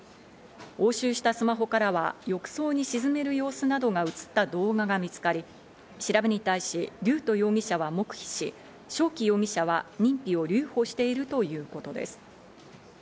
押収したスマホからは浴槽に沈める様子などが映った動画が見つかり、調べに対し龍斗容疑者は黙秘し、翔輝容疑者は認否を留保しているということです。